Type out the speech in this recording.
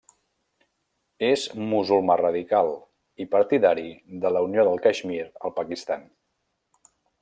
És musulmà radical i partidari de la unió de Caixmir al Pakistan.